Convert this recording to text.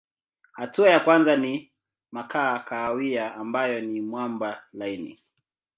Hatua ya kwanza ni makaa kahawia ambayo ni mwamba laini.